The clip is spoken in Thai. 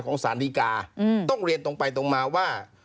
สารดีกาต้องเรียนตรงไปตรงมาว่า